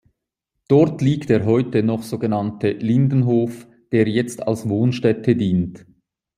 Dort liegt der heute noch so genannte Lindenhof, der jetzt als Wohnstätte dient.